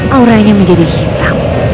auranya menjadi hitam